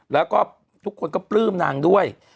แล้วก็ทุกคนก็ปลื้มนางด้วย